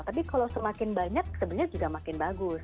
tapi kalau semakin banyak sebenarnya juga makin bagus